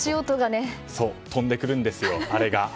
飛んでくるんですよ、あれが。